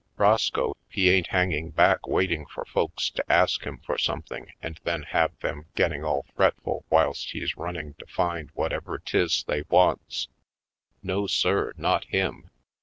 Roscoe he ain't hang ing back waiting for folks to ask him for something and then have them getting all fretful whilst he's running to find what ever 'tis they wants. No sir, not him.